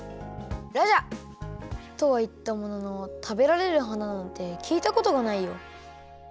ラジャー！とはいったものの食べられる花なんてきいたことがないよ。